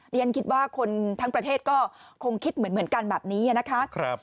ฉันคิดว่าคนทั้งประเทศก็คงคิดเหมือนกันแบบนี้นะคะ